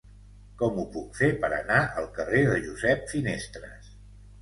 Com ho puc fer per anar al carrer de Josep Finestres?